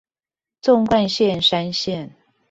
縱貫線山線